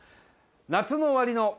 夏の終わりの。